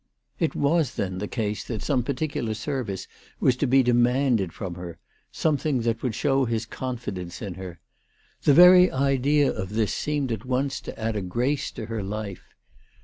It was then the case that some particular service was to be demanded from her, something that would show his confidence in her. The very idea of this seemed at once to add a grace to her life.